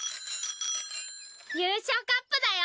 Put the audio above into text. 優勝カップだよ。